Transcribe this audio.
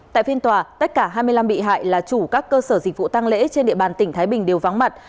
tại phiên tòa tất cả hai mươi năm bị hại là chủ các cơ sở dịch vụ tăng lễ trên địa bàn tỉnh thái bình đều vắng mặt